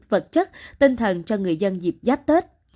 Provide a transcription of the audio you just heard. vật chất tinh thần cho người dân dịp giáp tết